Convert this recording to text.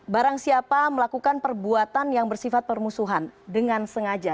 barang siapa melakukan perbuatan yang bersifat permusuhan dengan sengaja